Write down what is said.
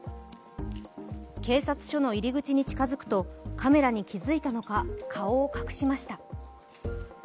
警察署の入り口に近づくとカメラに気付いたのか顔を隠しました。